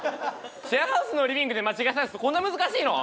シェアハウスのリビングで間違い探しするとこんな難しいの？